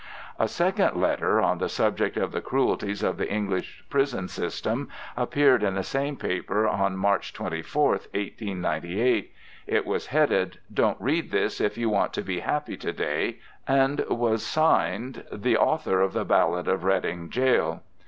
A second letter on the subject of the cruelties of the English Prison system appeared in the same paper on March 24th, 1898. It was headed: 'Don't Read This if You Want to be Happy To day,' and was signed 'The Author of The Ballad of Reading Gaol.'